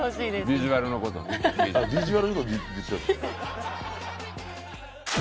ビジュアルのことビジュ？